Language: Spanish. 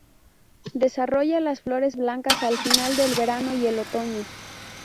Desarrolla las flores blancas al final del verano y el otoño.